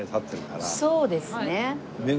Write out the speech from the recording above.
そうですね。